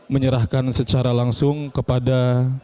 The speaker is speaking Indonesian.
menyerahkan secara langsung kepada